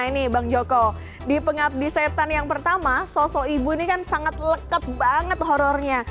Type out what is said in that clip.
ini bang joko di pengabdi setan yang pertama sosok ibu ini kan sangat lekat banget horrornya